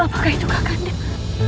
apakah itu kakandah